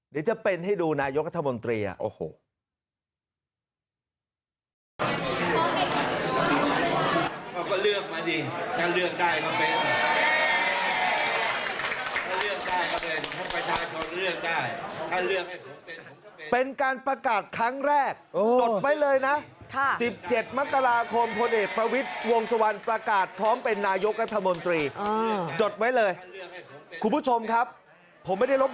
เดี๋ยวจะเป็นให้ดูนายกรัฐมนตรี